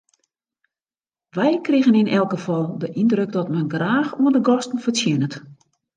Wy krigen yn elk gefal de yndruk dat men graach oan de gasten fertsjinnet.